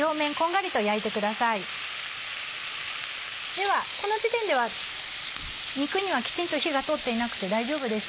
ではこの時点では肉にはきちんと火が通っていなくて大丈夫です。